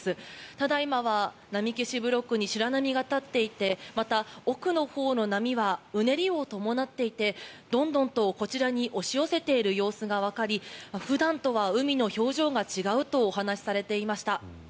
ただ、今は波消しブロックに白波が立っていてまた、奥のほうの波はうねりを伴っていてどんどんとこちらに押し寄せている様子がわかり普段とは海の表情が違うとお話しされていました。